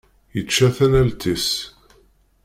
Yečča tanalt-is.